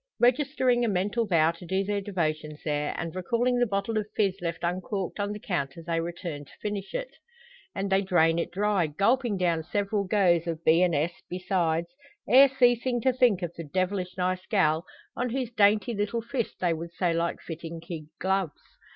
Registering a mental vow to do their devotions there, and recalling the bottle of fizz left uncorked on the counter they return to finish it. And they drain it dry, gulping down several goes of B and S, besides, ere ceasing to think of the "devilish nice gal," on whose dainty little fist they would so like fitting kid gloves.